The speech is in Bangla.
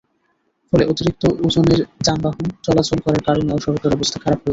ফলে অতিরিক্ত ওজনের যানবাহন চলাচল করার কারণেও সড়কের অবস্থা খারাপ হয়েছে।